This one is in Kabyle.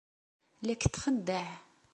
La k-txeddeɛ!